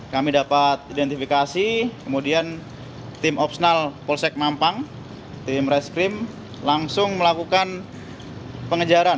kami dapat identifikasi kemudian tim opsnal polsek mampang tim reskrim langsung melakukan pengejaran